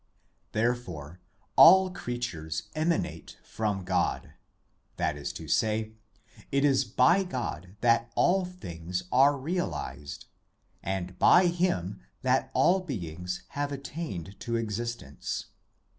Therefore all creatures emanate from God; that is to say, it is by God that all things are realised, and by Him that all beings have attained to existence.